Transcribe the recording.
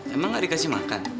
emang gak dikasih makan